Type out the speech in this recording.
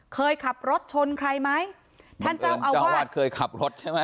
เคยขับรถชนใครไหมท่านเจ้าอาวาสเคยขับรถใช่ไหม